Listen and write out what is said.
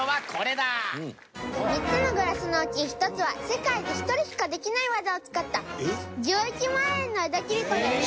３つのグラスのうち１つは世界で１人しかできない技を使った１１万円の江戸切子です。